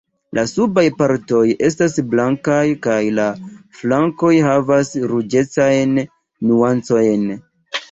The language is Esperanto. La subaj partoj estas blankaj kaj la flankoj havas ruĝecajn nuancojn.